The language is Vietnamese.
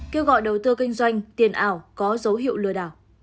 kêu gọi đầu tư kinh doanh tiền ảo có dấu hiệu lừa đảo